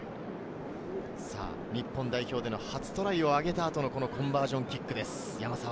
日本代表での初トライを挙げた後のコンバージョンキックです、山沢。